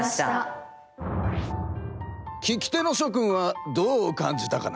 聞き手のしょくんはどう感じたかな？